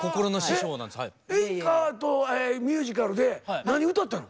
演歌とミュージカルで何歌ったの？